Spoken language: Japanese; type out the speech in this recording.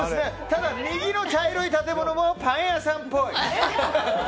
ただ、右の茶色い建物もパン屋さんっぽい。